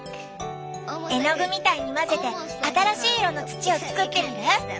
絵の具みたいに混ぜて新しい色の土を作ってみる？